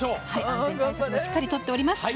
安全対策もしっかり取っております。